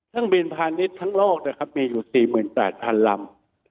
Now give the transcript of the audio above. ทางบินพาณิชย์ทั้งโลกมีอยู่๔๘๐๐๐ลำ